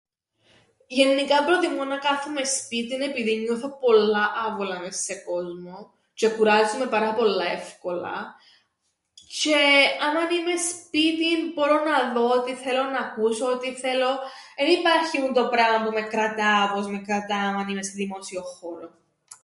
Γεννικά προτιμώ να κάθουμαι σπίτιν επειδή νιώθω πολλά άβολα μες σε κόσμο τζ̆αι κουράζουμαι πάρα πολλά εύκολα τζ̆αι άμαν είμαι σπίτιν μπόρω να δω ό,τι θέλω, να ακούσω ό,τι θέλω, εν υπάρχει τούντο πράμαν που με κρατά όπως με κρατά άμαν είμαι σε δημόσιον χώρον.